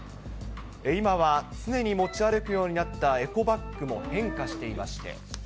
今は常に持ち歩くようになったエコバッグも変化していまして。